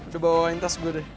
coba bawain tas gue deh